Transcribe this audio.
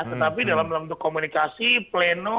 tetapi dalam bentuk komunikasi pleno